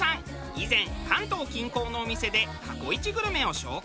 以前関東近郊のお店で過去イチグルメを紹介。